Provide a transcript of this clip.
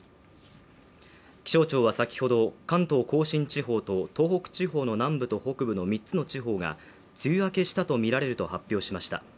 気象庁はさきほど関東甲信地方と東北地方の南部と北部の３つの地方が梅雨明けしたとみられると発表しました。